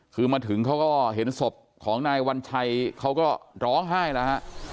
คือมาถึงเขาก็เห็นศพของนายวัญชัยเขาก็ร้องไห้แล้วฮะ